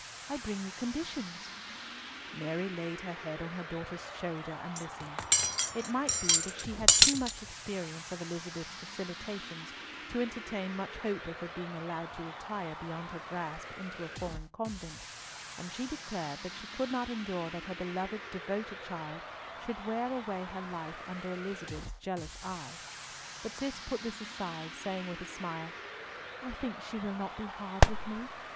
I bring you conditions." Mary laid her head on her daughter's shoulder and listened. It might be that she had too much experience of Elizabeth's vacillations to entertain much hope of her being allowed to retire beyond her grasp into a foreign convent, and she declared that she could not endure that her beloved, devoted child should wear away her life under Elizabeth's jealous eye, but Cis put this aside, saying with a smile, "I think she will not be hard with me.